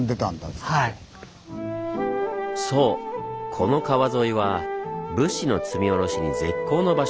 この川沿いは物資の積み降ろしに絶好の場所。